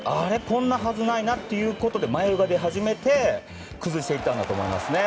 こんなはずないなって感じで迷いが出始めて崩していったんだと思います。